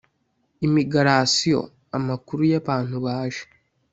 Imigarasiyo amakuru y abantu baje